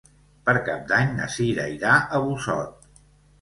Per Cap d'Any na Sira irà a Busot.